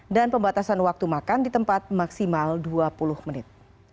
dan pembatasan waktu makan di tempat maksimal dua puluh menit